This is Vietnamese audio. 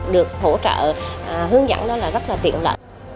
được hỗ trợ hướng dẫn đó là rất là tiện lợi